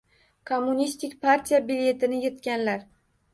Kommunistik partiya biletini yirtganlar.